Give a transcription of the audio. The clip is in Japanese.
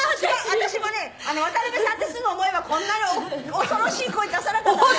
「私もね渡辺さんってすぐ思えばこんなに恐ろしい声出さなかったのにね